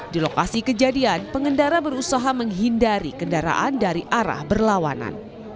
di lokasi kejadian pengendara berusaha menghindari kendaraan dari arah berlawanan